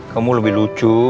kamu lebih lucu